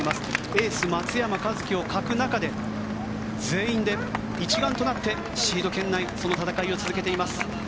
エース、松山を欠く中で全員で一丸となってその戦いを続けています。